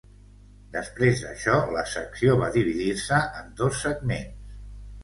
Després d'això la secció va dividir-se en dos segments.